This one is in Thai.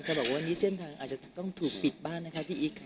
บอกว่าวันนี้เส้นทางอาจจะต้องถูกปิดบ้างนะคะพี่อิ๊ก